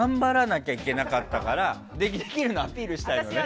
なきやいけなかったからできるのアピールしたいのね。